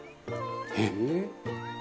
「えっ？